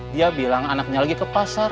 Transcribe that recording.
dia bilang anaknya lagi ke pasar